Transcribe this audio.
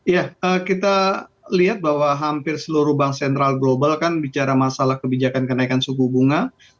ya kita lihat bahwa hampir seluruh bank sentral global kan bicara masalah kebijakan kenaikan suku bunga